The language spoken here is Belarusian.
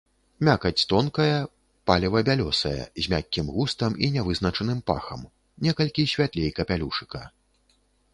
Мякаць тонкая, палева-бялёсая, з мяккім густам і нявызначаным пахам, некалькі святлей капялюшыка.